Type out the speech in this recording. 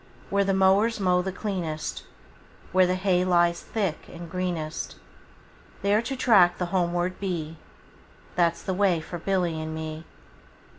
Where the mowers mow the cleanest, Where the hay lies thick and greenest, 10 There to track the homeward bee, That 's the way for Billy and me.